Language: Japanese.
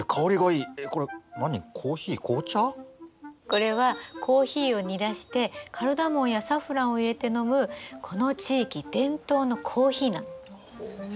これはコーヒーを煮出してカルダモンやサフランを入れて飲むこの地域伝統のコーヒーなの。